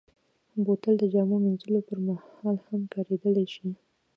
بوتل د جامو مینځلو پر مهال هم کارېدلی شي.